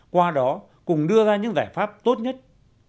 qua đó cùng đưa ra những giải pháp tốt nhất